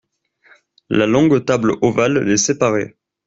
La longue table ovale les séparait.